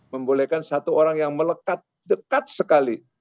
membolehkan satu orang yang melekat dekat sekali